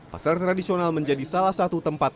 pasar tradisional menjadi salah satu tempat